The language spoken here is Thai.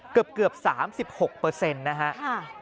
เกือบ๓๖นะฮะ